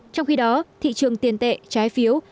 trong khi đó thị trường tiền tệ trái phiếu